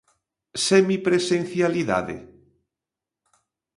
Semipresencialidade.